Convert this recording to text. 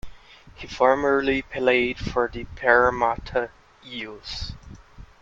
He formerly played for the Parramatta Eels.